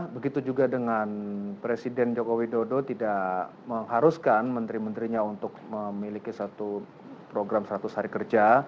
begitu juga dengan presiden joko widodo tidak mengharuskan menteri menterinya untuk memiliki satu program seratus hari kerja